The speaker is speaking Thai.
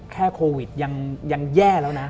โควิดยังแย่แล้วนะ